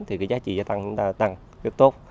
thì cái giá trị gia tăng chúng ta tăng rất tốt